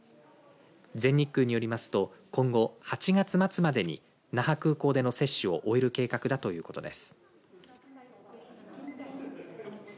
全日空によりますと、今後８月末までに那覇空港での接種を終える計画だということです。